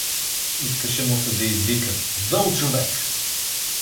Искаше му се да извика: „Зъл човек!“